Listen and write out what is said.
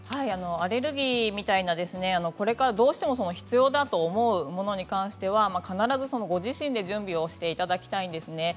アレルギーみたいなこれからどうしても必要だと思うようなことについてはご自身で必ず準備をしてほしいんですね。